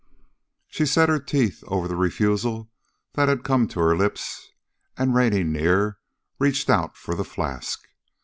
She set her teeth over the refusal that had come to her lips and, reining near, reached out for the flask.